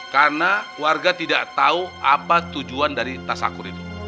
karena warga tidak tahu apa tujuan dari ini